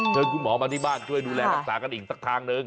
เชิญคุณหมอมาที่บ้านช่วยดูแลปรักษากันอีกสักครั้งหนึ่ง